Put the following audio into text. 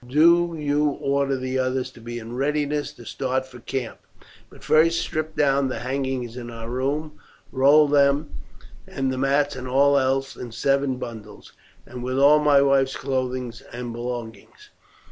Do you order the others to be in readiness to start for the camp. But first strip down the hangings of our room, roll them and the mats and all else in seven bundles, with all my wife's clothing and belongings."